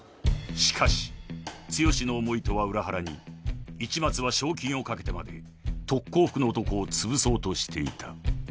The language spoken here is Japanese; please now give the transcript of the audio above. ［しかし剛の思いとは裏腹に市松は賞金をかけてまで特攻服の男をつぶそうとしていた］